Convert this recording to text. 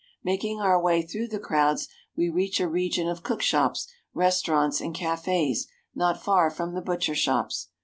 Making our way through the crowds we reach a region of cook shops, restaurants, and cafes not far from the butcher shops.